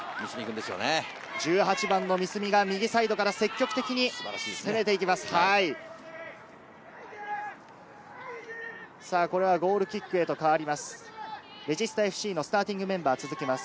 １８番の三角が右サイドから積極的に攻めて行きます。